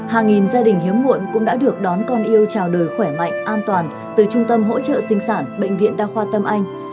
hàng nghìn gia đình hiếm muộn cũng đã được đón con yêu trào đời khỏe mạnh an toàn từ trung tâm hỗ trợ sinh sản bệnh viện đa khoa tâm anh